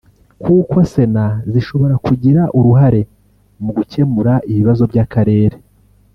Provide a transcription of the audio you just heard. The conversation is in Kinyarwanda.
kuko Sena zishobora kugira uruhare mu gukemura ibibazo by’Akarere